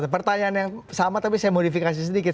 pertanyaan yang sama tapi saya modifikasi sedikit